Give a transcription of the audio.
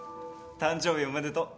誕生日おめでとう